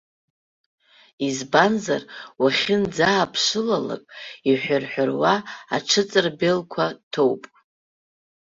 Избанзар, уахьынӡааԥшылалак, иҳәырҳәыруа аҽыҵырбелқәа ҭоуп.